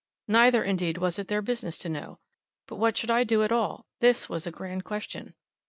Neither, indeed, was it their business to know. But what should I do at all, at all? This was a grand question.